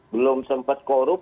belum sempat korup